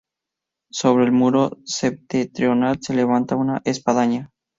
Sobre el muro septentrional se levanta una espadaña.